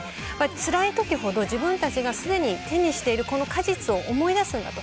つらいときほど、自分たちがすでに手にしている果実を思い出すんだと。